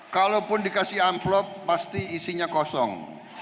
kalaupun dikasih amplop pasti isinya kosong